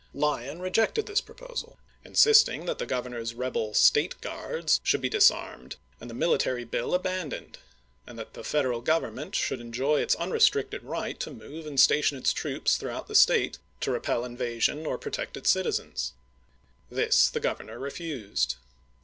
Lyon rejected this proposal, insisting that the Governor's rebel " State Guards " should be disarmed and the military bill abandoned, and that the Federal Government should enjoy its un restricted right to move and station its troops throughout the State, to repel invasion or protect its citizens. This the Governor refused.